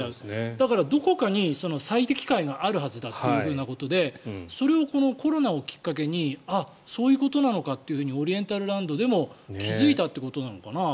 だから、どこかに最適解があるはずだっていうことでそれをこのコロナをきっかけにそういうことなのかってオリエンタルランドでも気付いたということなのかな。